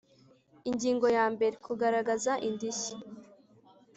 Ingingo ya mbere Kugaragaza indishyi